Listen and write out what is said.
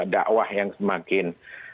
dakwah yang semakin